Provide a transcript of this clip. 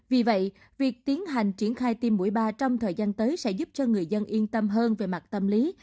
vì vậy việc tiến hành triển khai tiêm mũi ba trong thời gian tới sẽ giúp cho người dân yên tâm hơn về mặt tâm lý